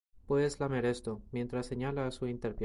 Puedes lamer esto, mientras señala a su entrepierna.